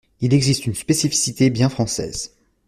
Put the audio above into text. Il existe une spécificité bien française.